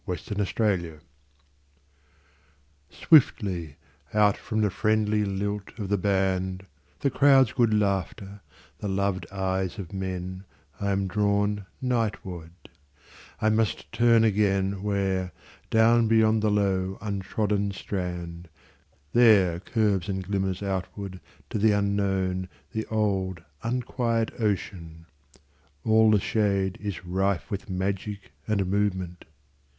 Seaside SWIFTLY out from the friendly lilt of the band, The crowd's good laughter, the loved eyes of men,I am drawn nightward; I must turn againWhere, down beyond the low untrodden strand, There curves and glimmers outward to the unknownThe old unquiet ocean. All the shadeIs rife with magic and movement.